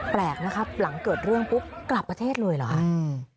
แปลกนะครับหลังเกิดเรื่องปุ๊บกลับประเทศเลยเหรอคะอืม